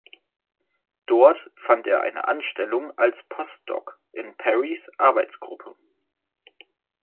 Dort fand er eine Anstellung als Postdoc in Perrys Arbeitsgruppe.